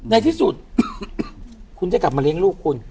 ในที่สุดคุณได้กลับมาเลี้ยงลูกคุณ